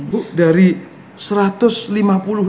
bu dari satu ratus lima puluh